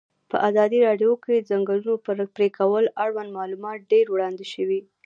په ازادي راډیو کې د د ځنګلونو پرېکول اړوند معلومات ډېر وړاندې شوي.